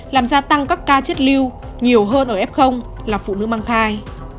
làm gia tăng các ca chết lưu nhiều hơn ở f là phụ nữ mang thai